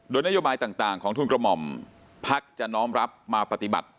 โดยนโยบายต่างของทุนกระหม่อมพักจะน้อมรับมาปฏิบัติ